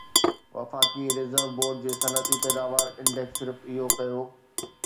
وفاقي reserve board جي صنعتي پيداوار انڊيڪس صرف اهو ڪيو